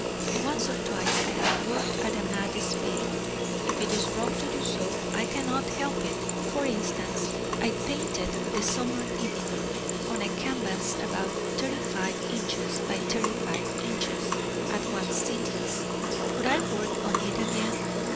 Once or twice I have worked at a mad speed; if it is wrong to do so, I cannot help it. For instance, I painted "The Summer Evening," on a canvas about 35 in. by 35 in. at one sitting. Could I work on it again?